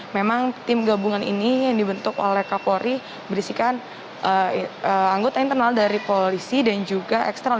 memang tim gabungan ini yang dibentuk oleh kapolri berisikan anggota internal dari polisi dan juga eksternal